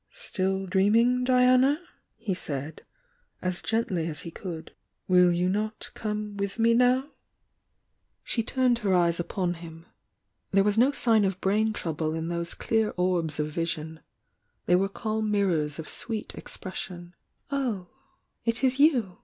"Still dreaming, Diana?" he said, as gently as he could. "Will you not come with me now?" THE YOUNG UIANA 287 She turned her eyes upon him. There was no sign of brain trouble in those clear orbs of vision — they were calm mirrors of sweet expression. "Oh, it is you!"